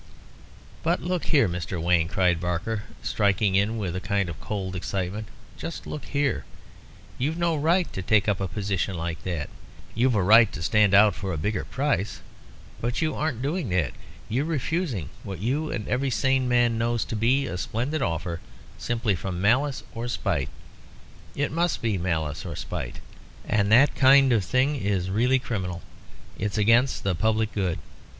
"But look here, Mr. Wayne," cried Barker, striking in with a kind of cold excitement. "Just look here. You've no right to take up a position like that. You've a right to stand out for a bigger price, but you aren't doing that. You're refusing what you and every sane man knows to be a splendid offer simply from malice or spite it must be malice or spite. And that kind of thing is really criminal; it's against the public good.